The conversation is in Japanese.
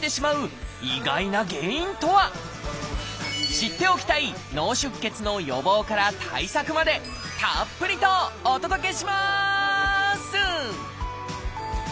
知っておきたい脳出血の予防から対策までたっぷりとお届けします！